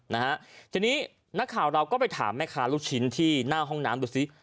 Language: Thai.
นะฮะทีนี้นักข่าวเราก็ไปถามแม่ค้าลูกชิ้นที่หน้าห้องน้ำดูซิ